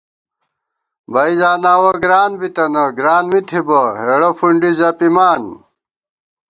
بی زاناوَہ گران بِتنہ، گران می تھِبہ، ہېڑہ فُونڈی زَپِمان